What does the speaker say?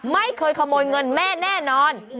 ไม่เคยขโมยเงินแม่แน่นอน